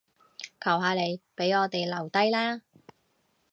求下你，畀我哋留低啦